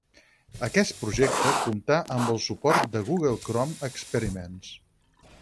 Aquest projecte comptà amb el suport de Google Chrome Experiments.